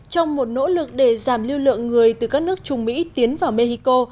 trong một nỗ lực để giảm lưu lượng người từ các nước trung mỹ tiến vào mexico